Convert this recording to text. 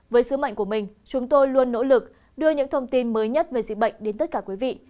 với sứ mệnh của mình chúng tôi luôn nỗ lực đưa những thông tin mới nhất về dịch bệnh đến tất cả quý vị